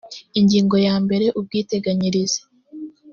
ingingo ya mbere ubwiteganyirize